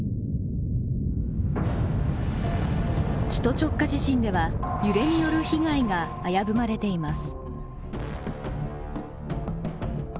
首都直下地震では揺れによる被害が危ぶまれています。